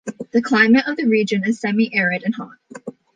The climate of the region is semi-arid and hot.